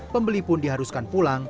pembeli pun diharuskan pulang